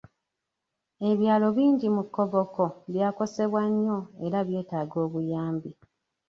Ebyalo bingi mu Koboko byakosebwa nnyo era byetaaga obuyambi.